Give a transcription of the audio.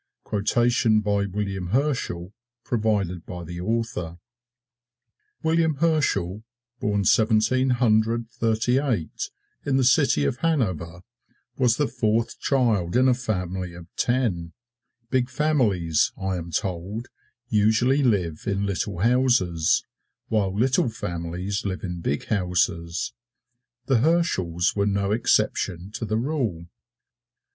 William Herschel WILLIAM HERSCHEL William Herschell, born Seventeen Hundred Thirty eight, in the city of Hanover, was the fourth child in a family of ten. Big families, I am told, usually live in little houses, while little families live in big houses. The Herschels were no exception to the rule.